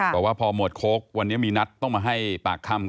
บอกว่าพอหมวดโค้กวันนี้มีนัดต้องมาให้ปากคำ